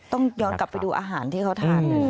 ต้องย้อนกลับไปดูอาหารที่เขาทาน